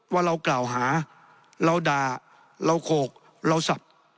ว่าเรากล่าวหาเราด่าเราโขกเราสับ